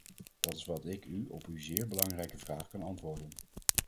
Dat is wat ik op uw zeer belangrijke vraag kan antwoorden.